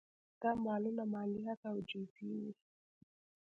دا مالونه مالیات او جزیې وې